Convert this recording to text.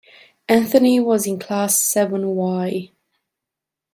Anthony was in class seven Y.